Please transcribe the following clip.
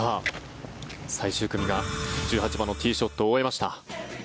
最終組が１８番のティーショットを終えました。